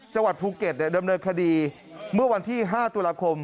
จังหวัดภูเก็ตดำเนินคดีเมื่อวันที่๕ตุลาคม